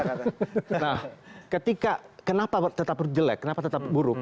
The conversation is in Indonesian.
nah ketika kenapa tetap jelek kenapa tetap buruk